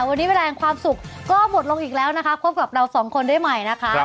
วันนี้เวลาความสุขก็หมดลงอีกแล้วนะคะพบกับเราสองคนได้ใหม่นะคะ